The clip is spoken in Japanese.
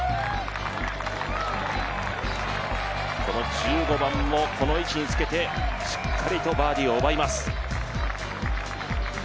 この１５番もこの位置につけて、しっかりとバーディーを奪います。